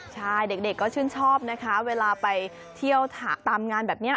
ใช่เด็กก็ชื่นชอบนะคะเวลาไปเที่ยวตามงานแบบนี้